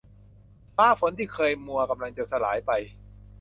ฟ้าฝนที่เคยมัวกำลังจะสลายไป